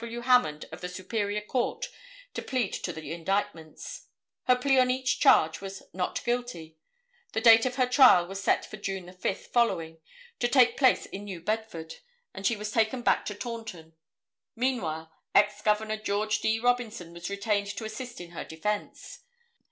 W. Hammond of the Superior Court to plead to the indictments. Her plea on each charge was "not guilty." The date of her trial was set for June 5 following, to take place in New Bedford—and she was taken back to Taunton. Meanwhile, Ex Governor George D. Robinson was retained to assist in her defense.